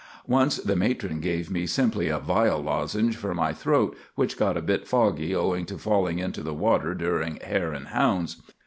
Once the matron gave me simply a vile lozenge for my throat, which got a bit foggy owing to falling into the water during "hare and hounds."